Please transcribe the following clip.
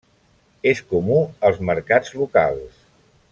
És comú als mercats locals.